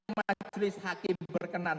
majelis hakim berkenan